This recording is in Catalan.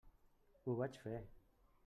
Ho vaig fer.